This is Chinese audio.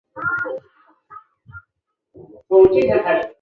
锐裂齿顶叶冷水花为荨麻科冷水花属下的一个变种。